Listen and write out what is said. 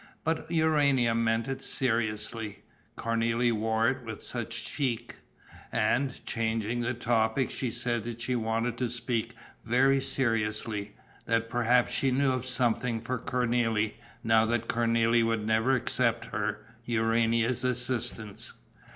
But Urania meant it seriously: Cornélie wore it with such chic! And, changing the topic, she said that she wanted to speak very seriously, that perhaps she knew of something for Cornélie, now that Cornélie would never accept her, Urania's, assistance.